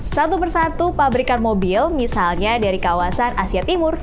satu persatu pabrikan mobil misalnya dari kawasan asia timur